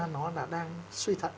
nó là đang suy thận